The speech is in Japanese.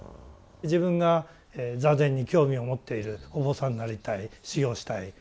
自分が座禅に興味を持っているお坊さんになりたい修行したい。